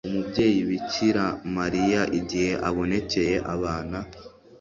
umubyeyi bikira mariya, igihe abonekeye abana